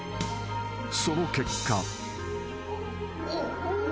［その結果］